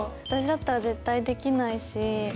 私だったら絶対できないし。